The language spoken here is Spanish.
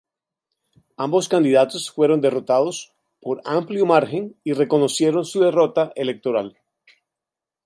Ambos candidatos fueron derrotados por amplio margen y reconocieron su derrota electoral.